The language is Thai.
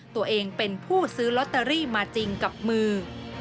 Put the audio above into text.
ตัวเองเป็นผู้ซื้อลอตเตอรี่มาจริงกับมือ